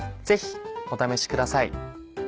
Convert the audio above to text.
ぜひお試しください。